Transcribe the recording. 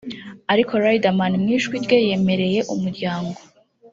ariko Riderman mu ijwi rye yemereye Umuryango